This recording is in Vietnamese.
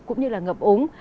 cũng như ngập úng